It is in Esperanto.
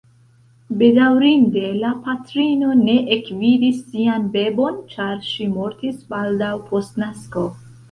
Bedaŭrinde la patrino ne ekvidis sian bebon, ĉar ŝi mortis baldaŭ post nasko.